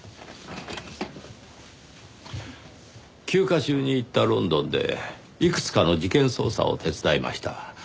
休暇中に行ったロンドンでいくつかの事件捜査を手伝いました。